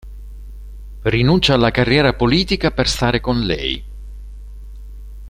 Rinuncia alla carriera politica per stare con lei.